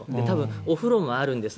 お風呂もあるんですが